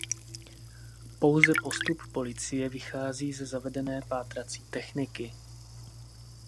Pouze postup policie vychází ze zavedené pátrací techniky.